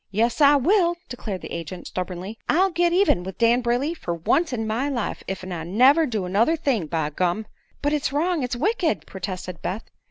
"Yes, I will," declared the agent, stubbornly. "I'll git even with Dan Brayley fer once in my life, ef I never do another thing, by gum!" "But it's wrong it's wicked!" protested Beth.